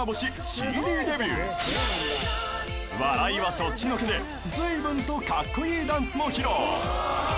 ［笑いはそっちのけでずいぶんとカッコイイダンスも披露］